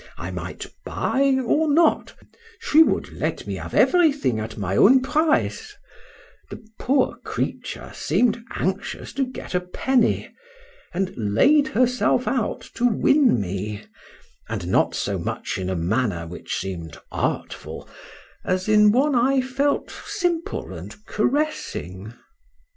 —I might buy,—or not;—she would let me have everything at my own price:—the poor creature seem'd anxious to get a penny; and laid herself out to win me, and not so much in a manner which seem'd artful, as in one I felt simple and caressing.